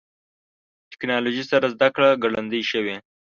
ټکنالوژي سره زدهکړه ګړندۍ شوې.